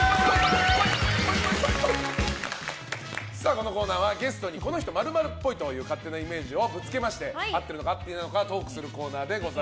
このコーナーはゲストにこの人○○っぽいという勝手なイメージをぶつけ合っているのか合っていないのかトークするコーナーです。